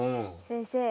先生。